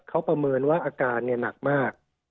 เขาประเมินว่าอาการหนักมาก